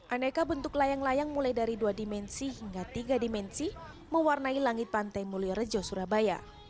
aneka bentuk layang layang mulai dari dua dimensi hingga tiga dimensi mewarnai langit pantai mulyorejo surabaya